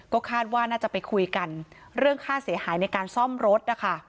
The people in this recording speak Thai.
ก็คาดว่าน่าจะไปคุยกันเรื่องค่าเสียหายในการซ่อมรถนะคะ